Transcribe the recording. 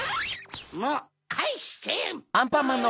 もうかえして！